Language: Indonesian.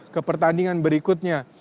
ke pertandingan berikutnya